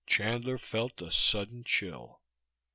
Chandler felt a sudden chill.